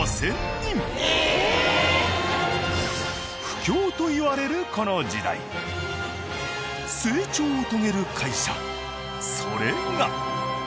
不況と言われるこの時代成長を遂げる会社それが。